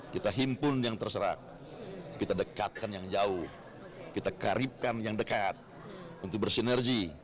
kita himpun yang terserah kita dekatkan yang jauh kita karipkan yang dekat untuk bersinergi